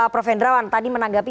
prof vendrawan tadi menanggapi